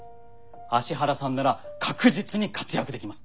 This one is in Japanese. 芦原さんなら確実に活躍できます。